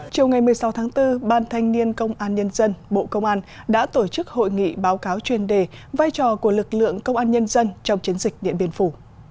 chiều ngày một mươi sáu tháng bốn ban thanh niên công an nhân dân bộ công an đã tổ chức hội nghị báo cáo chuyên đề vai trò của lực lượng công an nhân dân trong chiến dịch điện biên phủ